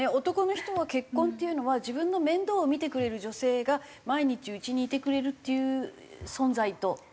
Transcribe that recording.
男の人は結婚っていうのは自分の面倒を見てくれる女性が毎日うちにいてくれるっていう存在と。